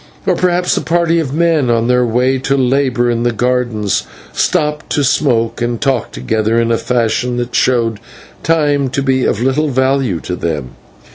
Or perhaps a party of men, on their way to labour in the gardens, stopped to smoke and talk together in a fashion that showed time to be of little value to them.